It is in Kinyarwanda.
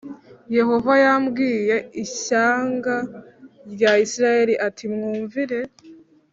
Yehova yabwiye ishyanga rya Isirayeli ati mwumvire